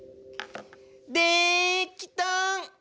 できた！